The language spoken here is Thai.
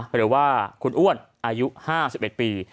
หรือว่าคุณอ้วนอายุ๕๑ปี